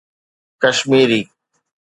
Kashmiri